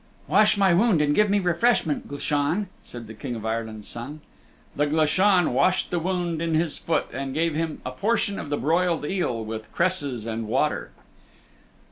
"Wash my wound and give me refreshment, Glashan," said the King of Ireland's Son. The Glashan washed the wound in his foot and gave him a portion of the broiled eel with cresses and water.